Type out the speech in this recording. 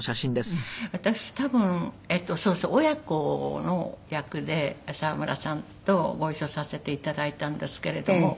私多分そうそう親子の役で沢村さんとご一緒させていただいたんですけれども。